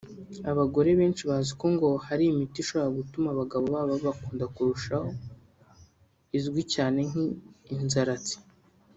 Abagore benshi bazi ko ngo hari imiti ishobora gutuma abagabo babo babakunda kurushaho izwi cyane nk’ ”inzaratsi”